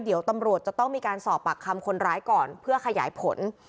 เดี๋ยวตำรวจจะต้องมีการสอบปากคำคนร้ายก่อนเพื่อขยายผล